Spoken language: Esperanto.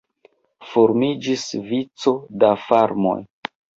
Formiĝis vico da farmoj.